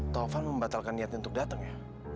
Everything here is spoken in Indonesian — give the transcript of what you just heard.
taufan membatalkan niatnya untuk datang ya